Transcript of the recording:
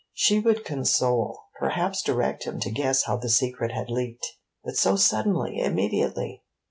She would console, perhaps direct him to guess how the secret had leaked. But so suddenly, immediately!